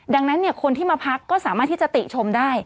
ดังนั้นคนที่มาพักก็สามารถที่จะติชมได้